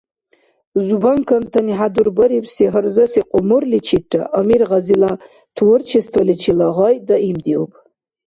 Зубанкантани хӀядурбарибси гьарзаси кьумурличирра Амир Гъазила творчестволичила гъай даимдиуб.